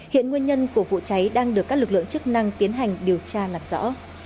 hiện nguyên nhân của vụ cháy đang được các lực lượng chức năng tiến hành điều tra làm rõ